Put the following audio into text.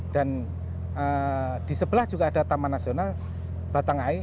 dan di sebelah juga ada taman nasional batangai